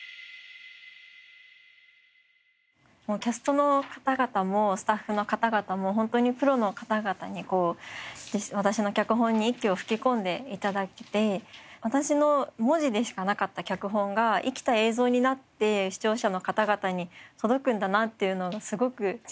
キャストの方々もスタッフの方々も本当にプロの方々に私の脚本に息を吹き込んで頂けて私の文字でしかなかった脚本が生きた映像になって視聴者の方々に届くんだなっていうのをすごく実感して。